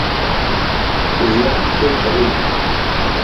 ڤیان خۆی بڕی.